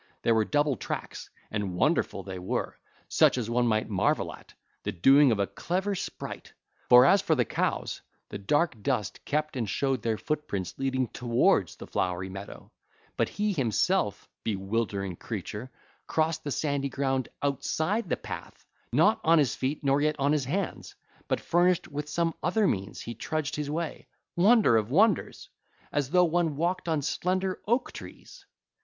There were double tracks, and wonderful they were, such as one might marvel at, the doing of a clever sprite; for as for the cows, the dark dust kept and showed their footprints leading towards the flowery meadow; but he himself—bewildering creature—crossed the sandy ground outside the path, not on his feet nor yet on his hands; but, furnished with some other means he trudged his way—wonder of wonders!—as though one walked on slender oak trees.